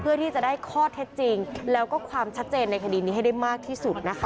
เพื่อที่จะได้ข้อเท็จจริงแล้วก็ความชัดเจนในคดีนี้ให้ได้มากที่สุดนะคะ